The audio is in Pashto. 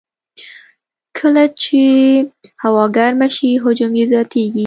کله چې هوا ګرمه شي، حجم یې زیاتېږي.